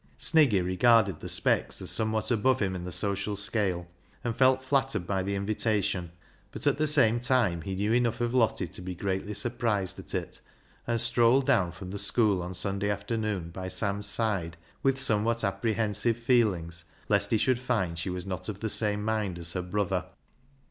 Sniggy regarded the Specks as somewhat above him in the social scale, and felt flattered by the invitation, but at the same time he knew enough of Lottie to be greatly surprised at it, and strolled down from the school on Sunday afternoon by Sam's side with some what apprehensive feelings lest he should find she was not of the same mind as her brother.